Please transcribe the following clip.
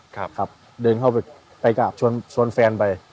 ครับครับเดินเข้าไปไปกราบชวนแฟนไป